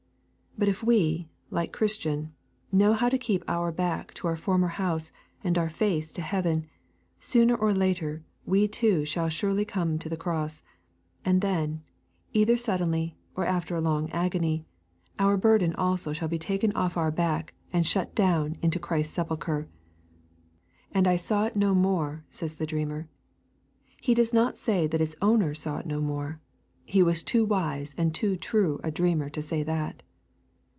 But if we, like Christian, know how to keep our back to our former house and our face to heaven, sooner or later we too shall surely come to the cross. And then, either suddenly, or after a long agony, our burden also shall be taken off our back and shut down into Christ's sepulchre. And I saw it no more, says the dreamer. He does not say that its owner saw it no more. He was too wise and too true a dreamer to say that.